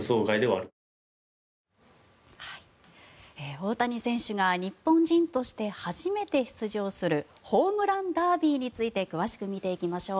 大谷選手が日本人として初めて出場するホームランダービーについて詳しく見ていきましょう。